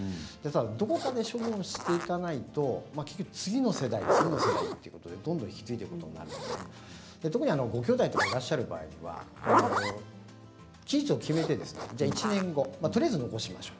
どこかで処分していかないと結局、次の世代、次の世代が引き継いでいくことになるのでごきょうだいとかがいらっしゃる場合は期日を決めて１年後とりあえず残しましょう。